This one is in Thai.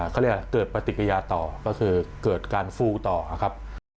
เขาเรียกเกิดปฏิกิยาต่อก็คือเกิดการฟูต่อนะครับ